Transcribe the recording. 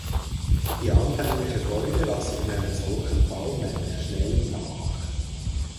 Die anfängliche Freude lasse in einem solchen Fall nämlich schnell nach.